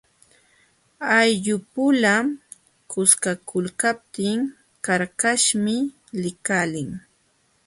Ayllupula kuskakulkaptin qarqaśhmi likalin.